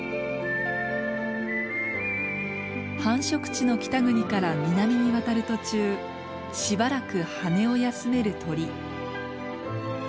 繁殖地の北国から南に渡る途中しばらく羽を休める鳥。